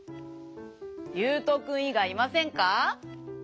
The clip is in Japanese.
ゆうとくんいがいいませんか？